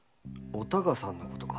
お孝さんのことか？